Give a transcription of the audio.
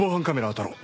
あたろう。